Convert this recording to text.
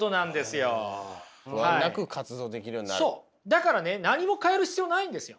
だからね何も変える必要ないんですよ。